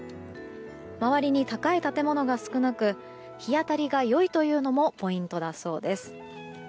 周りに高い建物が少なく日当たりが良いというのもポイントだそうです。